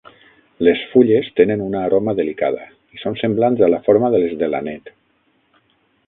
Les fulles tenen una aroma delicada i són semblants a la forma de les de l'anet.